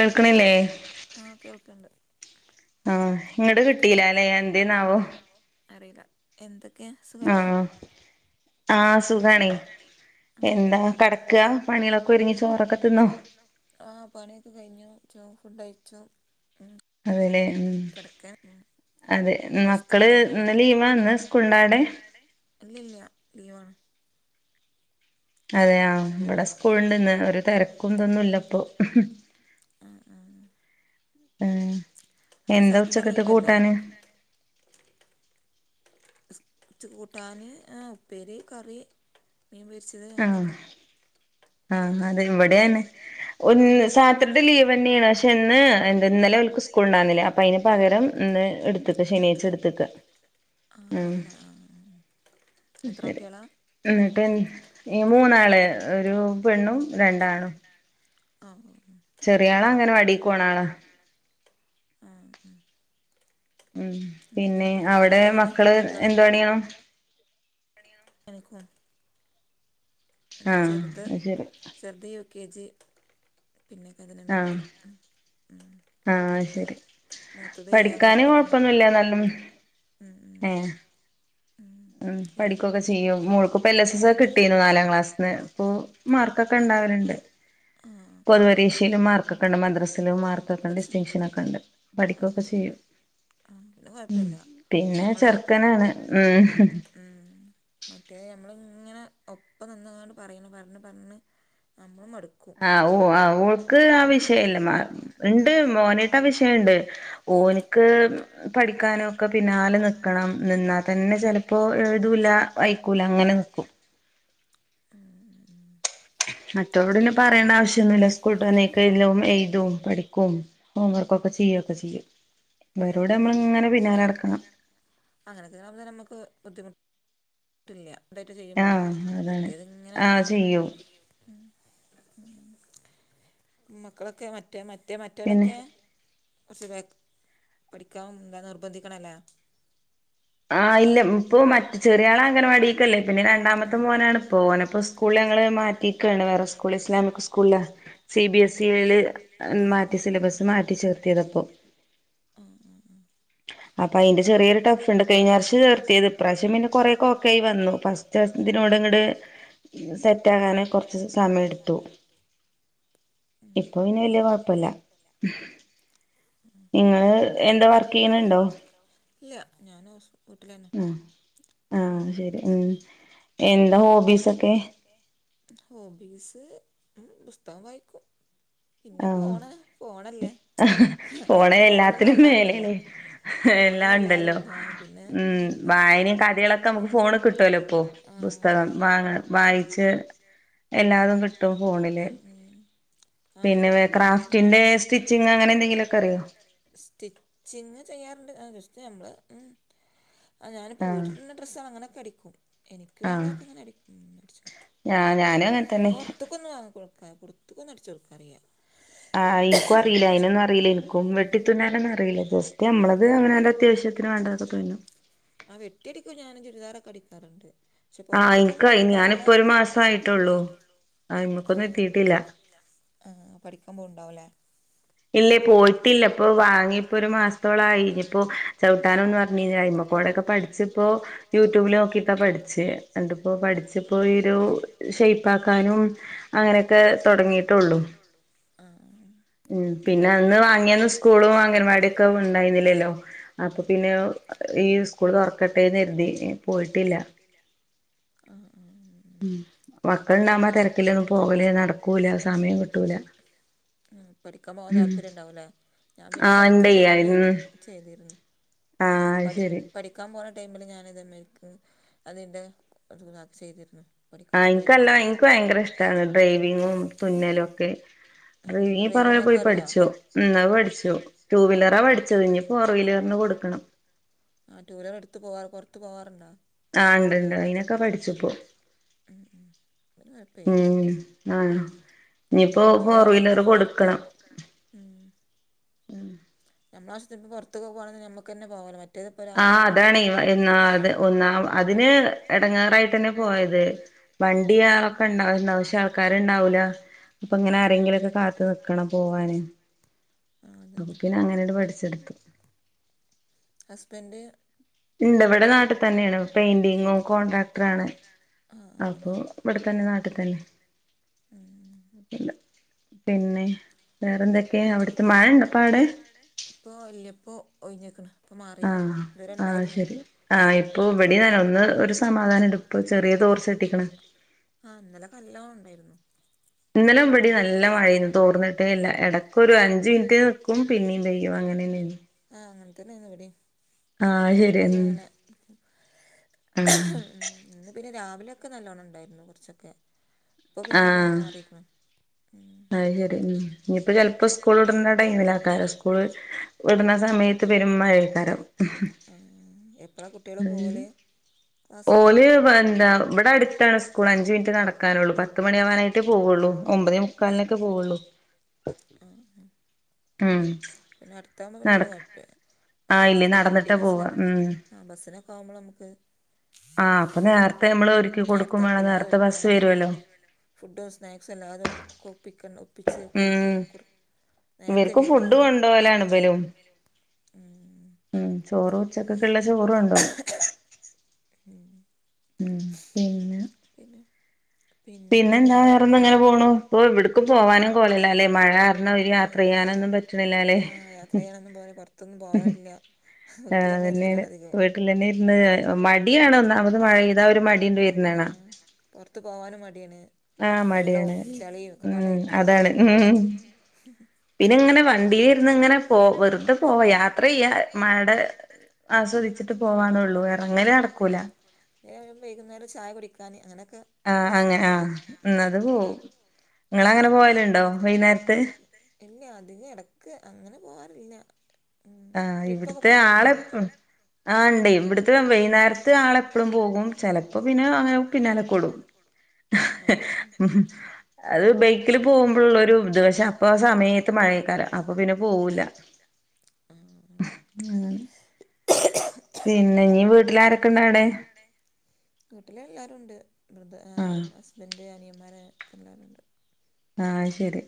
ആഹ് കേൾക്കിണില്ലേ ആഹ് കേൾക്ക്ണ്ട് എന്തൊക്ക്യയാ അറിയില്ല എന്തൊക്ക്യയാ സുഖല്ലോ ഉം ആഹ് സുഖാണെ ആഹ് എന്താ കെടക്കാ പണിളൊക്കെ ചോറൊക്കെ തിന്നു ആഹ് പണിയൊക്കെ കയിഞ്ഞു ചോ ഫുഡ് അയിച്ചു ഉം അതേല്ലോ ഉം കെടക്കാ ഉം അതെ മക്കള് ഇന്ന് ലീവാന്ന് ഇന്ന് സ്കൂൾ ണ്ടാവടെ ഇല്ല ഇല്ല ലീവാണ് അതെയോ ഇവടെ സ്കൂൾ ഇണ്ട് ഇന്ന് ഒര് തേരക്കും ഇതോന്നും ഇല്ല ഇപ്പൊ ആഹ് ആഹ് ഉം എന്താ ഉച്ചക്കത്തേ കൂട്ടാന് ഉച്ചക്ക് കൂട്ടാൻ ഉപ്പേരി കറി മീൻ പോരിച്ചത് അങ്ങനൊക്കെ ആഹ് അതെ ഇവടെയാണ് ഒന്ന് സാറ്റാർഡോ ലീവ് തന്നെയാണ് പശേ ഇന്ന് എന്താ ഇന്നലെ ഓലക്ക് സ്കൂള് ഇണ്ടാര്ന്നില്ലാ അപ്പ അയിന് പകരം ഇന്ന് എട് ത്ത് ശനിയാഴ്ച എട്ത്ത്ക്കാ ഉം എത്ര കുട്ടിയോളാ എന്നിട്ട് ഈ മൂന്നാള് ഒരു പെണ്ണും രണ്ട് ആണും ആഹ് ആ ആ ചെറിയാളാ അംഗനാവാടിക്കോണാളാ ആഹ് ഉം ഉം പിന്നെ അവടെ മക്കള് [unintelligible] [unintelligible] ഉം ചെറുത് ചെറുത് യു കെ ജി പിന്നെ [inaudible] ആഹ് ശെരി പഠിക്കാന് കൊഴപ്പൊന്നും ഇല്ല നല്ലും യെ ഉം പഠിക്കുകൊക്കെ ചെയ്യും മോളക്ക് ഇപ്പൊ എൽ എസ് എസ് ഒക്കെ കിട്ടി [inaudible] ആഹ് മാർക്കൊക്കെ ഉണ്ട് മദ്രസൽ മാർക്കൊക്കെ ഡിസ്റ്റങ്ഷനൊക്കെണ്ട് പഠിക്കുകൊക്കെ ചെയ്യും ഉം പിന്നെ ചെർക്കനാണ് ഉം ഉം മറ്റേ ഞമ്മളിങ്ങനെ ഒപ്പം പ്പം നിന്ന്കാണ്ട് പറണം പറഞ്ഞ് പറഞ്ഞ് നമ്മള് മടുക്കും ആഹ് ഓൾക്ക് ആ വിഷയല്ല ഉണ്ട് മോനേട്ട ആ വിഷയണ്ട് ഓനിക്ക് പഠിക്കാനൊക്കെ പിന്നാല നിക്കണം നിന്നാ തന്നെ ചിലപ്പോൾ എഴ് തൂല്ല വായ്ക്കൂല അങ്ങനെ നിക്കും ആഹാഹ് മറ്റോൾടന്ന് പറയേണ്ട ആവശ്യൊന്നുല്ല സ്കൂൾട്ടന്നേക്കെ എല്ലും എഴ്തും പഠിക്കും ഹോം വർക്കൊക്കെ ചെയ്യൊക്കെ ചെയ്യും. ഇവരോടെ നമ്മളിങ്ങനെ പിന്നാലെടക്കണം. അങ്ങനൊക്കെ ആവുപോ നമ്മക്ക് ബുദ്ധിമു ട്ടില്ല ഇതേറ്റ് ചെയ്യുമ്പോളെ മറ്റേത്ങ്ങനെ ആഹ് ചെയ്യും മക്കളൊക്കെ മറ്റേ മറ്റേ മറ്റോരൊക്കെ കൊർച്ച് ബേക്ക് പഠിക്കാൻ എന്ത നിർബന്ധിക്കണല്ലേ. ആഹ് ഇല്ല ഇപ്പെ മറ്റ ചെറിയാളെ അംഗനവാടക്കല്ലേ പിന്നെ രണ്ടാമത്തെ മോനാണപ്പോ ഓനപ്പോ സ്‌കൂ സ്കൂള് ഞങ്ങള് മാറ്റീക്കാണ് വേറെ സ്കൂള് ഇസ്ലാമിക് സ്കൂളിലെ സി ബി എസിയില് ഉം മാറ്റി സിലബസ് മാറ്റി ചേർത്തിയതാപ്പോ ആഹ് ആഹ് അപ്പൊ അയ്ന്റെ ചെറിയൊരു ടഫ്ണ്ട് കഴിഞ്ഞർഷ്യ ചേർത്തിത് ഇപ്രാവശ്യം പിന്നെ കുറേക്കൊക്കായി. വന്നു ഫ [unintelligible] സെറ്റാകാൻ കൊർച്ച് സമയടുത്തു. ഇപ്പൊ പിന്നെ വല്യ കെഴപ്പല്ല. ഇങ്ങള് എന്താ വർക്കെയ്യുണണ്ടോ ഇല്ല ഞാൻ ഹ ഉം ആഹ് ശരി ഉം എന്താ ഹോബിസൊക്കെ. ഹോബീസ് ഉം പുസ്തകം വയെക്കും പിന്നെ ഫോണ് ഫോണല്ലേ ഫോൺലെ എല്ലാമിണ്ടല്ലോ ഫോണന്നെല്ലാതും ആഹ് പിന്നെ അതിൽന്ന്. ആഹ് അതെയതെ വായിച്ച് എല്ലാതും കിട്ടും പി ഉം ആ [unintelligible] പിന്നെ ക്രാഫ്റ്റിംഗ് സ്റ്റിച്ചിങ് അങ്ങനെ എന്തെകിലുമൊക്കെ അറിയോ. സ്റ്റിച്ചിങ് ചെയ്യാറുണ്ട് ജസ്റ്റ് ഞമ്മള് ഉം ആ ഞാനിപ്പോൾ വീട്ടുള്ള ഡ്രസ്സ അങ്ങനൊക്കെ അടിക്കും എനിക്ക് വേണ്ടക്കങ്ങനെടിക്കും [unintelligible] പോ ക്കൊന്നു ആഹ് കൊടുക്കാ പൊർത്ത്കൊന്നും അടിച്ച് കൊടുക്കാറിയ്യ. ആഹ് ഇൻക്കും അറീല്ല അയ്നൊന്നും അറിയില്ലന്നേക്കും വെട്ടിത്തുന്നാനൊന്നും അറില്ല ജസ്റ്റ് നമ്മളത് അവനാൻ്റെത്യാവശ്യ ത്തിന് വേണ്ടതൊക്കെ തുന്നും. ആഹ് വെട്ടിയടിക്കും ഞാന് ചുരിദാറൊക്കടിക്കാറുണ്ട്. പക്ഷെ പൊർത്ത്ക്കൊന്നും കൊടുക്കാറില്ല ഞാൻ ഇപ്പൊ ഒരു മാസമായിട്ടൊള്ളു ആഹ് ആഹ്. ഇല്ല. ആഹ് പഠിക്കാൻ പോണ്ടാവുല്ലേ. ഇല്ലേ പോയിട്ടില്ല ഇപ്പൊ വാങ്ങിപ്പോ ഒരു മാസത്തോളായി ഇനിപ്പോ ചവിട്ടാനോന്നർഞ്ഞില്ല ആയിമകോടൊക്കെ പഠിച്ചിപ്പോ യൂട്യൂബിൽ നോക്കിട്ട പഠി ഠിച്ച ആണ്ടപ്പോ പഠിച്ചപ്പോ ഒരു ഷെയ്പ്പാക്കാനും അങ്ങനൊക്കെ തൊടങ്ങിട്ടുള്ളൂ. ആഹ് ആഹ് ഉം പിന്നെ അന്ന് വാങ്ങിയന്ന് സ്കൂളും അംഗനവാടി ഒക്കെ ഉണ്ടായിന്നില്ലേല്ലോ. അപ്പൊ പിന്നെ ഈ സ്കൂൾ തൊർക്കട്ടേന്ന് കരുതി പോയിട്ടില്ല. ആഹ് ആഹ് ഉം മക്കളിണ്ടാവുപോ ആ തിരക്കില്ലേ പോകലേ നടക്കൂല സമയം കിട്ടൂല. ഉം പഠിക്കാൻ പോകാൻ താല്പര്യം ഉണ്ടാവുല്ലേ. ഞാൻ പിന്നെ പഠിക്കണ ടൈമില് ചെയ്തിരുന്ന. പഠി പഠിക്കാൻ പോണ ടൈമില് ഞാൻ [unintelligible] അതിന്റെ അതക്കെ ചെയ്തിരുന്ന. ആ ഇൻക്കെല്ല എനിക്ക് ഭയങ്കര ഇഷ്ടമാണ് ഡ്രൈവിങ്ങും തുന്നലും ഒക്കെ. [unintelligible] പോയി പഠിച്ചോ എന്നാ പഠിച്ചോ ടുവീലറാ പഠിച്ചത്. ഇനി ഫോർ വീലറിന് കൊടുക്കണം. ആഹ് ടൂവീലറടുത്ത് പോവാ പുറത്ത് പോവാറിണ്ട. ആഹ് ഇണ്ട് ഇണ്ട് അയിനൊക്കെ പഠിച്ചിപ്പോ ഉം ഉം അതിനു കുഴപ്പയ്യ ആ നമ്മളെന്ത ആവശ്യത്തിന് പുറത്ത് ഉം ഉം നമ്മള ആവിശ്യത്തിന് പുറത്തു പോവാണെങ് നമുക്ക്‌ തന്ന പോവാല്ലോ വ ആഹ് അതാണ് എന്നാ അത് ഒന്നാം അതിന് എടങ്ങാറായി തന്നെ പോയത്. വണ്ടി ആളൊക്കെ ഉണ്ടാവ പക്ഷെ ആൾക്കാരെ ഇണ്ടാവൂല അപ്പൊ ഇങ്ങനെ ആരെങ്കിലുക്കെ കാത്തുനികണം പോവാന്. അപ്പ പിന്നെ അങ്ങനെയട് പഠിച്ചെടുത്തെ ഹസ്ബെന്റ് ഇല്ല ഇവടെ നാട്ട്തെന്നേണ് പൈന്റിങ്ങും കോൺട്രാക്ടറാണ് ആഹ് അങ്ങനെ ഇവ്ടെതെന്നെ നാട്ടിതന്നെ ഉം അപെല്ല പിന്നെ വേറെന്തെക്കെ അവിട്ത്തെ മഴ ഇണ്ടപ്പവടെ ഇപ്പോ ഇല്യപോ ഒയ്ഞ്ഞ്ക്ക്ണ് ഇപ്പ മാറീക്ക്ണ്. ഇത് വരെ ഇണ്ടായിര് ന്നു. ആഹ് ഇപ്പൊ ഇവിടെ അതെന്നെ ഒന്ന് ഒര് സമാധാനണ്ട് ഇപ്പ ചെറീയെ [unintelligible] ആ ഇന്നലെ ഒക്കെ നല്ലോം ഉണ്ടെര്ന്നു ഇന്നലെ ഇവടിം നല്ല മഴേർന്ന് തോർന്നിട്ടേല്ല ഇടക്ക്‌ ഒരു അഞ്ച് മിനിറ്റ് നിക്കും പിന്നേം പെയ്യും അങ്ങനെ തന്നെർന്ന് ആ അങ്ങനെ തന്നെയാണിവിടേം എടക്കൊന്ന് ഇങ്ങനെ ഇന്ന് പിന്നെ രാവിലൊക്കെ നല്ലോണ്ണം ഇണ്ടായിരുന്നു കുറച്ചൊക്കെ ഇപ്പൊ പിന്നെ ഒന്ന് ആറീക്ക്ണു ഉം അത്ശെരി ഉം ഇഞ്ഞ്പ്പൊ ചെൽപ്പം സ്കൂൾ വിട്ന്ന ടൈമിലാക്കാരം സ്കൂള് വട്ണ സമയത്ത് പെരും മഴൈക്കാരം ഉം ഹ് ആഹ് എപ്പളാ കുട്ടിയോള് പോവല് ഓല് പെന്താ ഇവടെ അട്ത്താണ് സ്കൂൾ അഞ്ച്മിൻറ്റ് നടക്കാനൊള്ളൂ പത്ത് മണി ആവാനാ റ്റെ പോവാെള്ളൂ ഒമ്പതേ മുക്കാൽനെക്കെ പോവുള്ളൂ ആഹ് ആഹ് പിന്നെ അടുത്താവുമ്പം പിന്നെ വല്ല്യ കൊഴപ്പ, മറ്റേ ബസ് വണ്ടി ബസ്സിനൊക്കെ ആഹ് ബസ്സിനൊക്കെ ആവുമ്പൾ നമുക്ക് ആഹ് അപ്പ നേര്ത്തെ. നേര്ത്തെ വെക്കലാ ആ ഇട്ക്ക്ണ് ഫുഡോ സ്നാക്സോ എല്ലാതും കൊപ്പിക്കണ്ടെ ഒപ്പിച്ച് കെർക്കി കുർ നേരത്തെ എണീ ടുണ്ടോലണുബലും ഉം ചോറും ഉച്ചക്കൊക്കെള്ള ചോറും ഉണ്ടാവും. ഉം ഉം ഉം പിൻ പിന്നെ പിന്നെ വേറെ. പിന്നെന്താ വേറെന്ത ഇങ്ങനെ പോണു. ഇപ്പ എവിട്ക്കും പോവാനും കോലല്ലാല്ലേ. മഴ ആഹ് ആഹ് അതെ ആഹ് യാത്ര ചെയ്യാനൊന്നും പോവല്ല പൊർത്തൊന്നും പോവാറില്ല. വീട്ടിലന്നെ ഇരിക്കലാണ് അധികും. വീട്ടിലന്നെ ഇര്ന്ന് മടിയാണ് ഒന്നാമ പൊർത്ത് പോവാനും മടിയാണ്. ആഹ് മടിയാണ് ഉം അതാണ് മ്. പിന്നെ ഇങ്ങനെ വണ്ടീലിര്ന്ന് ഇങ്ങനെ പോ വെറുതെ പോവാ യാത്ര ചെയ്യാ മഴടെ ആസ്വദിച്ചിട്ട് പോവാന്നൊള്ളൂ എറങ്ങല് നടക്കൂല. വേഗം വൈകുന്നേരം ചായ കുടിക്കാൻ അങ്ങനൊക്കെ ആഹ് അങ്ങനെ ആഹ്. ഇന്നത് പോവും. ഇങ്ങളങ്ങനെ പോവലുണ്ടോ വൈന്നേരത്തത്? ഇല്ല അധികം എടക്ക് അങ്ങനെ പോവാറില്ല. ആഹ് ഇവട്ത്തെ ആളെപ്, ഉം ആഹ് ഇണ്ടേ ഇവട്ത്തെ വൈന്നേരത്തെ ആളെ എപ്പളും പോകും ചിലപ്പോ പിന്നെ അങ്ങനെ പിന്നാലെ കൂടും ഉം അത് ബൈക്കിൽ പോകുമ്പോഴുള്ള ഒരു ഇത് പക്ഷെ അപ്പൊ ആ സമയത്ത് മഴയെക്കാരം അപ്പൊ പിന്നെ പോവൂല്ല ആഹ് ഉം പിന്നെ ഇനീ വീട്ടിലാരൊക്കെ ഉണ്ട് അവിടെ വീട്ടില് എല്ലാരും ഉണ്ട് ആഹ് ഹസ്ബൻഡ് അനിയൻമാര് ഒക്കെ എല്ലാവരുണ്ട് ആഹ് അത്‌ ശരി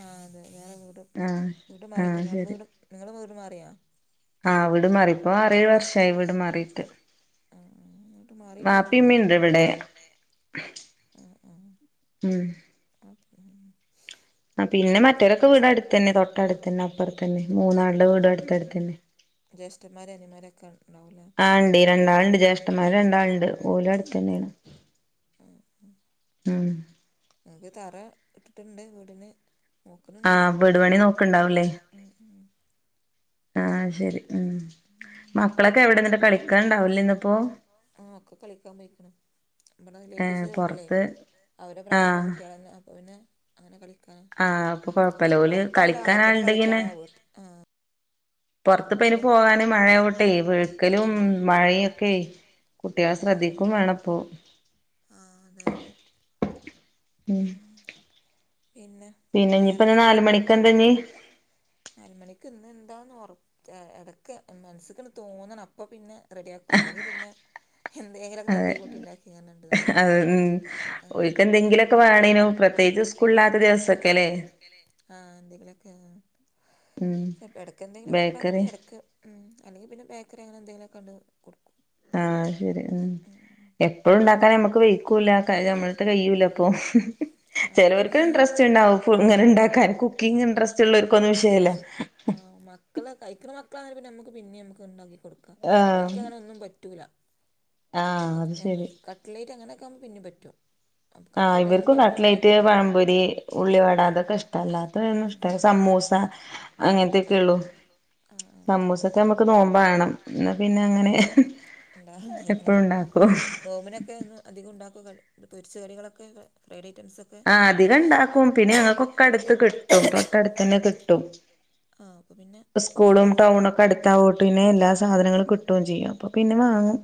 ആഹ് അതെ വേറെ വീട് വീട് മാറിട്ടന്ന് അവിടെ വീട് നിങ്ങള് വീട് മാറിയാ ആഹ് വീട് മാറി ഇപ്പോ ആറേഴ് വർഷായി വീട് മാറീട്ട് ആഹ് വീട് മാറിയിട്ടൊന്നും ഇല്ല്യ ആഹ് ആഹ് ഉം ആഹ് ആഹ് പിന്നെ മറ്റോരൊക്കെ വീട് അടുത്ത് തന്നെ തൊട്ട് അടുത്ത് തന്നെ അപ്പറത്തന്നെ മൂന്നാളുടെ വീട് അടുത്തടുത്ത് തന്നെ ആണ്ടി രണ്ടാള്ണ്ട് ജ്യേഷ്ഠന്മാര് രണ്ടാളണ്ട് ഓല് തന്നെയാണ് ഉം ഞങ്ങൾക്ക് തറ ഇട്ടിട്ടുണ്ട് വീടിന് നോക്കുണ്ണ്ണ്ട് ആഹ് വീട് പണി നോക്കുണ്ടാവും അല്ലേ ആഹ് ശരി ഉം ഉം മക്കളൊക്കെ എവിടെന്നിട്ട് കളിക്കുണ്ടാവും ഇല്ലേ ഇന്നിപ്പോ ഒക്കെ കളിക്കാൻ പോയിക്ക്ണ് നമ്മടെ റിലേറ്റീവ്സ് വീട്ടിലേ അവരെ പ്രായമുള്ള കുട്ടികള് തന്നെ അപ്പൊ പിന്നെ അങ്ങനെ കളിക്കാൻ പൊറത്തല്ല അകത്തന്നെ കളിക്കണ വീട്ട് ആഹ് പുറത്ത് ഇപ്പ അയിന് പോകാന് മഴയാവട്ടെ വഴുക്കലും മഴയുമൊക്കെ കുട്ട്യാളെ ശ്രദ്ധിക്കും വേണം ഇപ്പൊ ആഹ് അതെ അതെ ഉം പിന്നെ പിന്നെ ഇനിപ്പം നാല് മണിക്ക് എന്താ ഇനി നാല് മണിക്ക് ഇന്ന് എന്താന്ന് ഉറപ്പ് ഇടക്ക് മനസ്സ്ക്ക്ണ്ട് തോന്നണം അപ്പം പിന്നെ റെഡിയാക്കും അല്ലെങ്കിൽ പിന്നെ എന്തെങ്കിലുമൊക്കെ തട്ടി കൂട്ടിണ്ടാക്കിങ്ങനെ ഇണ്ട് ഇതാക്കും ആഹ് ആഹ് എന്തെങ്കിലുമൊക്കെ ചിലപ്പോ ഇടക്ക് എന്തെങ്കിലൊക്കെ ഉണ്ടാക്കും ഇട അല്ലെങ്കിൽ പിന്നെ ബേക്കറി അങ്ങനെ എന്തെങ്കിലും ഒക്കെ അണ്ട് കൊടുക്കും ആഹ് ശരിയാ ഉം എപ്പഴും ഉണ്ടാക്കാന് നമ്മക്ക് വെയ്ക്കൂല നമ്മളത്തെ കഴിയൂല അപ്പൊ ചെലോർക്ക് ഇൻട്രസ്റ്റ് ഉണ്ടാവും ഇങ്ങനെ ഉണ്ടാക്കാൻ കുക്കിംഗ് ഇൻട്രസ്റ്റ് ഉള്ളവർക്കൊന്നും വിഷയമില്ല മക്കള് കഴിക്കുന്ന മക്കളാണെങ്കി പിന്നെ നമുക്ക് പിന്നെയും നമുക്ക് ഉണ്ടാക്കി കൊടു ക്കാം ഇവർക്ക് അങ്ങനൊന്നും പറ്റൂല കട്ട്ലേറ്റ് അങ്ങനെയൊക്കെ ആകുമ്പോ പിന്നേം പറ്റും കട്ട്ലേറ്റ് എന്നും ഇപ്പം നമ്മള് ഉണ്ടാക്കുലല്ലോ. ഉം അങ്ങനത്തൊക്കെയുള്ളൂ സമൂസ ഒക്കെ നമ്മുക്ക് നോമ്പ് ആവണം പിന്നെ അങ്ങനെ എന്താ ഇനി ഇപ്പം ഇപ്പൊഴ്‌ ഉണ്ടാക്കും നോമ്പിനൊക്കെ ഒന്ന് അധികം ഉണ്ടാക്കുക പൊരിച്ച കടികളൊക്കെ ഫ്രൈഡ് ഐറ്റംസ് ആഹ് അധികം ഇണ്ടാക്കും പിന്നെ ഞങ്ങക്കൊക്കെ അടുത്ത് കിട്ടും തൊട്ടടുത്ത് തന്നെ കിട്ടും ആഹ് അപ്പം പിന്നെ പ സ്കൂളും ടൗണൊക്കെ അടുത്താവോട്ട് പിന്നെ എല്ലാ സാധനങ്ങളും കിട്ടുകയും ചെയ്യും അപ്പം പിന്നെ വാങ്ങും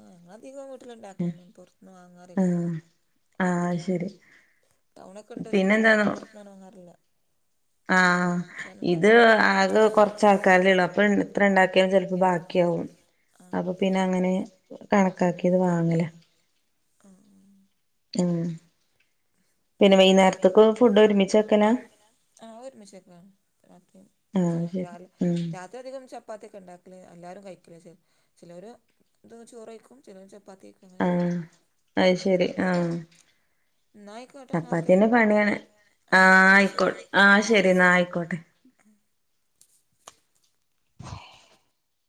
ആങ്ങധികൊ ട്ടില് ണ്ടാക്കലെന്നെ പുറത്തൂന്ന് വാങ്ങാറില്ല ടൗണൊക്കെ ണ്ട് പക്ഷെ ന്നാലും പുറത്തൂന്ന് വാങ്ങാറില്ല ആഹ്ഹ ഇത് ആകെ കൊർച്ചാൾക്കാര്ലെള്ളൂ അപ്പൊൻ ഇത്രണ്ടാക്കിയാലും ചെൽപ്പോ ബാക്കിയാവൂ അപ്പൊ പിന്നെ അങ്ങനെ കണക്കാക്കിത് വാങ്ങല ആഹ് ഉം പിന്നെ വൈന്നേരത്തേക്ക് ഫുഡ് ഒരുമിച്ചെക്കനാ ആ ഒരുമിച്ചക്ണാ രാത്രി ക്ഷെ രാവ്ലെ രാ ത്തെധികം ചപ്പാത്തിയൊക്കെ ണ്ടാക്കല് എല്ലാരും കഴിക്കല ഷേ ചിലോര് തോന്ന് ചോറയ്ക്കും ചെലോല് ചപ്പാത്തിയേക്കും അങ്ങെനൊക്കെ ന്നാഹ് ശരി നായിക്കോട്ടെന്നാ ആഹ് ശരി ഉം